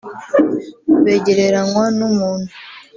Begereranywa n’umuntu